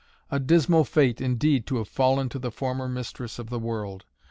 A dismal fate indeed to have fallen to the former mistress of the world!